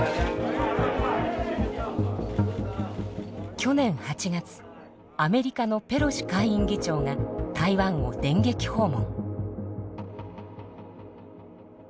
去年８月アメリカのペロシ下院議長が台湾を電撃訪問。